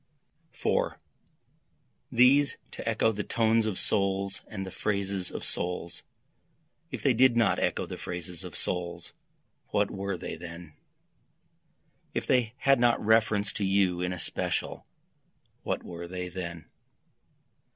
4 These to echo the tones of souls and the phrases of souls, (If they did not echo the phrases of souls what were they then? If they had not reference to you in especial what were they then?)